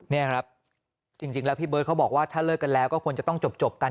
นี่ครับจริงแล้วพี่เบิร์ตเขาบอกว่าถ้าเลิกกันแล้วก็ควรจะต้องจบกัน